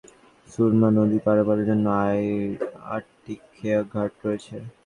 সিলেট নগরের মধ্য দিয়ে প্রবাহিত সুরমা নদী পারাপারের জন্য আটটি খেয়াঘাট রয়েছে।